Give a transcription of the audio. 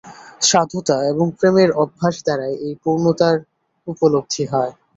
সাধুতা এবং প্রেমের অভ্যাস দ্বারাই এই পূর্ণতার উপলব্ধি হয়।